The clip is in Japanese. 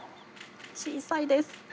小さいです。